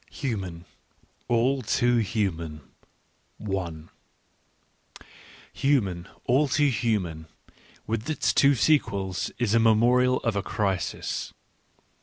Human, all too Human " Human, all too Human > with its two sequels, is the memorial of a crisis.